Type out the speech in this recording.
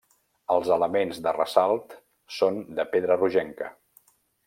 Els elements de ressalt són de pedra rogenca.